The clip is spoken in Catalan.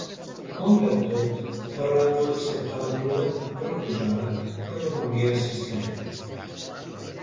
Malgrat tot, Ferran no acceptà la Corona proposada i romangué a Sicília.